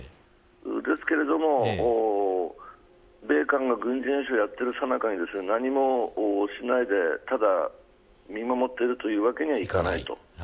ですが米韓が軍事演習をやっているさなかに何もしないで、ただ見守っているというわけにもいきません。